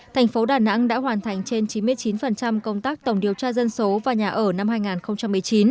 thành phố đà nẵng đã hoàn thành trên chín mươi chín công tác tổng điều tra dân số và nhà ở năm hai nghìn một mươi chín